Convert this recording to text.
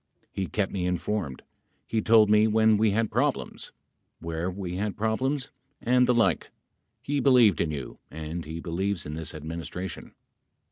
He kept me informed. He told me when we had problems . where we had problems and the like. He believed in you and he believes in this Adminis tration.